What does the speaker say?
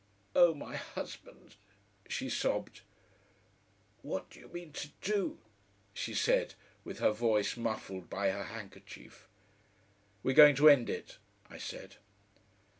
"Oh, my Husband!" she sobbed. "What do you mean to do?" she said, with her voice muffled by her handkerchief. "We're going to end it," I said.